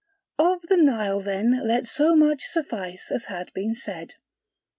Of the Nile then let so much suffice as has been said.